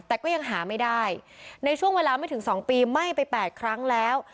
แต่ก็ยังหาไม่ได้ในช่วงเวลาไม่ถึง๒ปีไหม้ไป๘ครั้งแล้ว